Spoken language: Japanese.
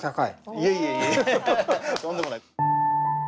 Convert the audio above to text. いえいえいえとんでもない。